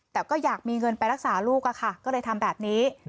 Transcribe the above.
แต่ก็อยากมีเงินไปรักษาลูกค่ะก็เลยทำแบบนี้